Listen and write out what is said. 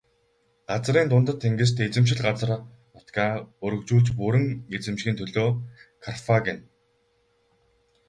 Газрын дундад тэнгист эзэмшил газар нутгаа өргөжүүлж бүрэн эзэмшихийн төлөө Карфаген.